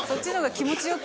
気持ちよく。